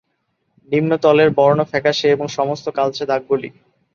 নিম্নতলের বর্ন ফ্যাকাশে এবং সমস্ত কালচে দাগগুলি।